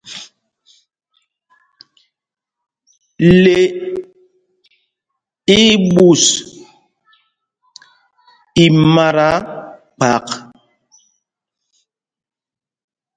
Le í í ɓus i mata kphak.